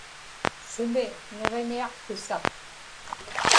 sumi niġiñiaqpisa